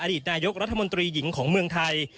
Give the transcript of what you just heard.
อดีตนายกรัฐมนตรีหญิงของเมืองไทย